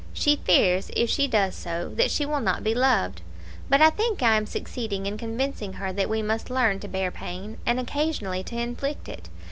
She fears, if she does so, that she will not be loved; but I think I am succeeding in convincing her that we must learn to bear pain, and occasionally to inflict it.